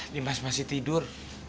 dimas masih tidur